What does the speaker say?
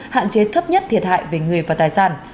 hạn chế thấp nhất thiệt hại về người và tài sản